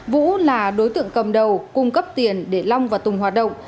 vũ là đối tượng cầm đầu cung cấp tiền để long và tùng hoạt động